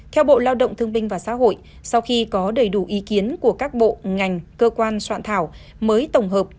theo bộ lao động thương binh và xã hội sau khi có đầy đủ ý kiến của các bộ ngành cơ quan soạn thảo mới tổng hợp